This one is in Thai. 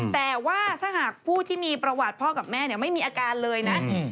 แต่ว่าถ้าหากผู้ที่มีประวัติพ่อกับแม่ไม่มีอาการเลยนะ